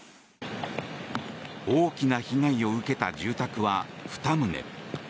大きな被害を受けた住宅は２棟。